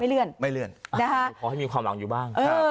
ไม่เลื่อนไม่เลื่อนนะคะจะออกให้มีความหลังอยู่บ้างเออ